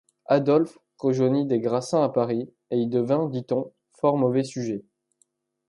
Adolphe rejoignit des Grassins à Paris, et y devint, dit-on, fort mauvais sujet.